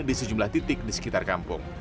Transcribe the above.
di sejumlah titik di sekitar kampung